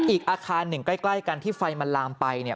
อีกอาคาร๑ใกล้กันที่ไฟมันลามไป